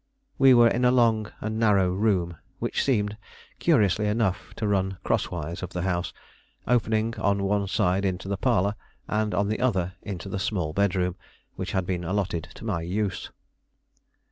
We were in a long and narrow room which seemed, curiously enough, to run crosswise of the house, opening on one side into the parlor, and on the other into the small bedroom, which had been allotted to my use.